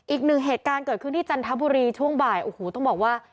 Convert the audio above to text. อีกหนึ่งเหตุการณ์เกิดขึ้นที่จันทบุรีช่วงบ่ายโอ้โหต้องบอกว่า